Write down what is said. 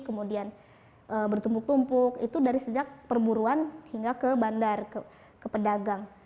kemudian bertumpuk tumpuk itu dari sejak perburuan hingga ke bandar ke pedagang